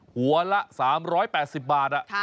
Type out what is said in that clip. หัวละ๓๘๐บาท